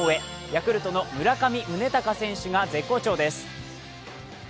ヤクルトの村上宗隆選手が絶好調です。